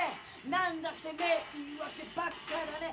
なんだてめぇ言い訳ばっかだねぇ！